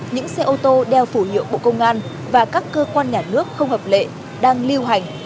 những xe ô tô đeo phủ hiệu bộ công an và các cơ quan nhà nước không hợp lệ đang lưu hành